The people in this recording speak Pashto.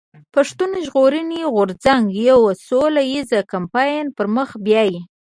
پښتون ژغورني غورځنګ يو سوله ايز کمپاين پر مخ بيايي.